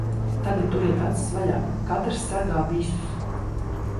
Tagad turiet acis vaļā. Katrs sargā visus.